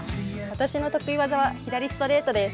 私の得意技は左ストレートです。